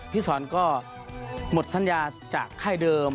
พี่สอนก็หมดสัญญาจากค่ายเดิม